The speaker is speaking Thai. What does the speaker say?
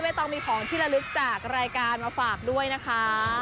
ต้องมีของที่ละลึกจากรายการมาฝากด้วยนะคะ